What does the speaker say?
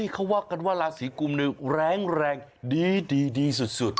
เขาว่ากันว่าราศีกุมหนึ่งแรงดีสุด